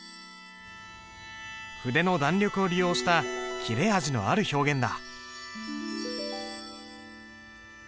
筆の弾力を利用した切れ味のある表現だ。